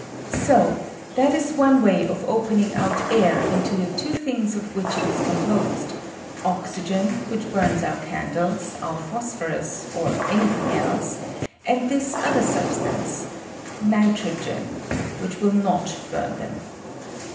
So that is one way of opening out air into the two things of which it is composed — oxy gen, which bums our candles, our phosphorus, or any thing else, and this other substance — nitrogen — which will not burn them.